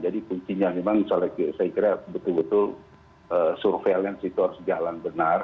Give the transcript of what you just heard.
jadi kuncinya memang soalnya saya kira betul betul surveillance itu harus jalan benar